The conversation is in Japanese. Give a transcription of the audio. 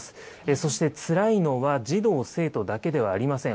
そしてつらいのは児童・生徒だけではありません。